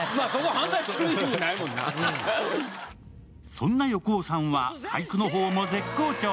そんな横尾さんは俳句の方も絶好調。